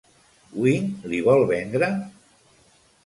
Wing li vol vendre?